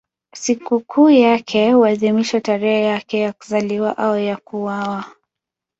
Sikukuu yake huadhimishwa tarehe yake ya kuzaliwa au ya kuuawa.